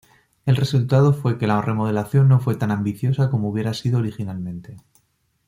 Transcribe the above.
El resultado fue que la remodelación no fue tan ambiciosa como hubiera sido originalmente.